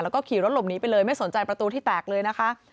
แล้วก็ขี่รถหลบหนีไปเลยไม่สนใจประตูที่แตกเลยนะคะ